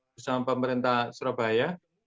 bersama pemerintah surabaya